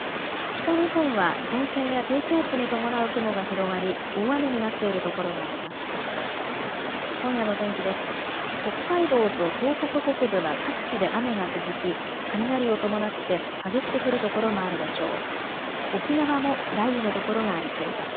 北日本は前線や低気圧に伴う雲が広がり大雨になっている所があります。